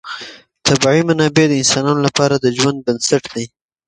طبیعي منابع د انسانانو لپاره د ژوند بنسټ دی.